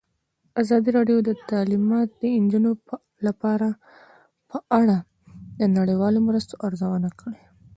ازادي راډیو د تعلیمات د نجونو لپاره په اړه د نړیوالو مرستو ارزونه کړې.